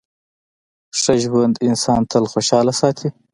ښه ژوند انسان تل خوشحاله ساتي.